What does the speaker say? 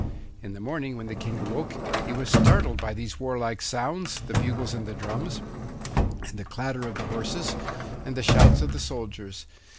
In the morning when the King awoke he was startled by these warlike sounds, the bugles and the drums, and the clatter of the horses, and the shouts of the soldiers.